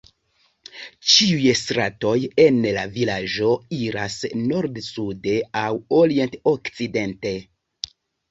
Ĉiuj stratoj en la vilaĝo iras nord-sude aŭ orient-okcidente.